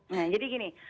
nah jadi gini